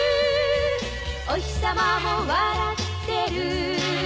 「おひさまも笑ってる」